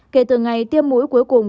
kể từ ngày tiêm mũi cuối cùng